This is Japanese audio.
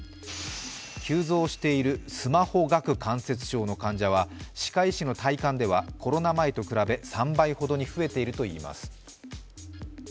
急増しているスマホ顎関節症の患者は歯科医師の体感ではコロナ前と比べ３倍ほどに増えているといいます。